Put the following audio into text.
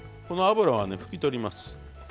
この脂はね拭き取ります。